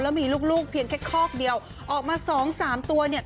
แล้วมีลูกลูกเพียงแค่คอกเดียวออกมาสองสามตัวเนี่ย